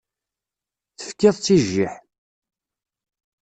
Tefkiḍ-tt i jjiḥ.